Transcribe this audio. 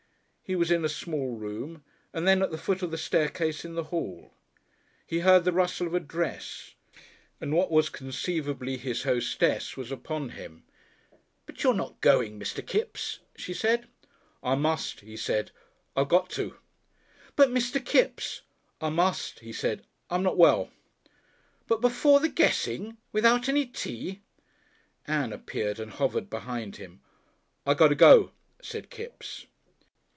He was in a small room, and then at the foot of the staircase in the hall. He heard the rustle of a dress, and what was conceivable his hostess was upon him. "But you're not going, Mr. Kipps?" she said. "I must," he said; "I got to." "But, Mr. Kipps!" "I must," he said. "I'm not well." "But before the guessing! Without any tea!" Ann appeared and hovered behind him. "I got to go," said Kipps.